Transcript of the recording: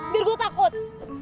biar gue takut